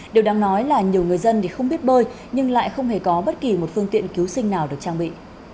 điều đáng nói là nhiều người dân thì không biết bơi nhưng lại không hề có bất kỳ một phương tiện cứu sinh nào được trang bị